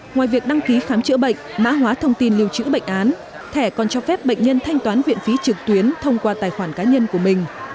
ngoài việc đăng ký khám chữa bệnh mã hóa thông tin lưu trữ bệnh án thẻ còn cho phép bệnh nhân thanh toán viện phí trực tuyến thông qua tài khoản cá nhân của mình